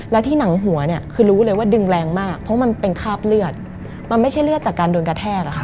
แล้วที่หนังหัวเนี่ยคือรู้เลยว่าดึงแรงมากเพราะมันเป็นคราบเลือดมันไม่ใช่เลือดจากการโดนกระแทกอะค่ะ